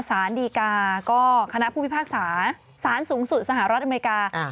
สารดีกาก็คณะผู้พิพากษาสารสูงสุดสหรัฐอเมริกา